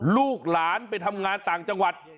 ลูกหลานไปทำงานต่างจังหวัด